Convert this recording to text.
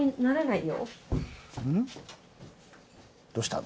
どうしたの？